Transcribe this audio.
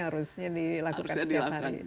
harusnya dilakukan setiap hari